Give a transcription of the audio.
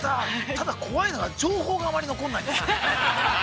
ただ、怖いのが、情報があまり残らないの。